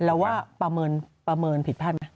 แล้วว่าประเมินผิดพัดไหม